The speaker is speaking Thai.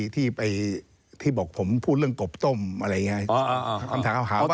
ที่บอกผมพูดเรื่องกบต้มอะไรอย่างนี้